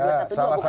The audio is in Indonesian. iya salah satu